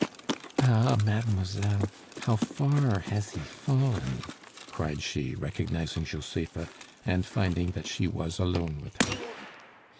"Ah! mademoiselle, how far has he fallen!" cried she, recognizing Josepha, and finding that she was alone with her.